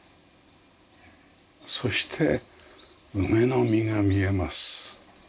そして梅の実が見えます。